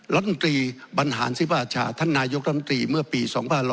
รัฐมนตรีบรรหารสิวาชาท่านนายกรัฐมนตรีเมื่อปี๒๕๖๐